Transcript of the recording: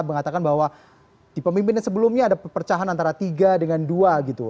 mengatakan bahwa di pemimpin sebelumnya ada perpecahan antara tiga dengan dua gitu